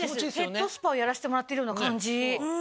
ヘッドスパをやらしてもらってるような感じ。